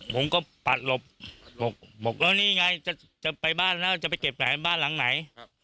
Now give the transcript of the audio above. ผมก็ปัดหลบบอกแล้วนี่ไงจะไปบ้านแล้วจะไปเก็บแหวนบ้านหลังไหน